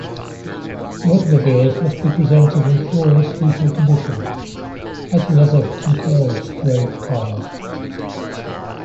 The automobiles must be presented in flawless visual condition, as with other "Concours"-grade cars.